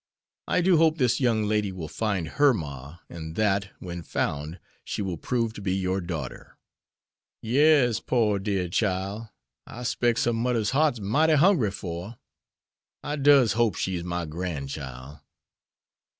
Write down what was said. I do hope this young lady will find her ma and that, when found, she will prove to be your daughter!" "Yes, pore, dear chile! I specs her mudder's heart's mighty hungry fer her. I does hope she's my gran'chile."